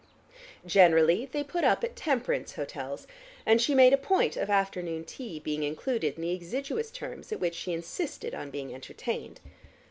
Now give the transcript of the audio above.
Generally they put up at "temperance" hotels, and she made a point of afternoon tea being included in the exiguous terms at which she insisted on being entertained.